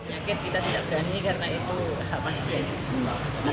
sakit kita tidak berani karena itu hamasin